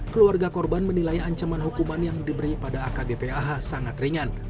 keluarga korban menilai ancaman hukuman yang diberi pada akbpah sangat ringan